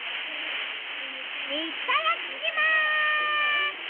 いっただっきます！